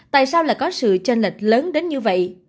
tại sao lại có sự tranh lệch lớn đến như vậy